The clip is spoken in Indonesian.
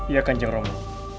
iya kanjeng ramu